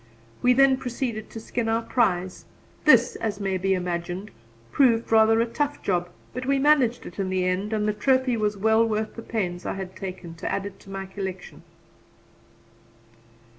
We then proceeded to skin our prize; this, as may be imagined, proved rather a tough job, but we managed it in the end, and the trophy was well worth the pains I had taken to add it to my collection.